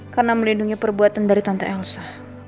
karena melindungi perbuatan dari tante elsa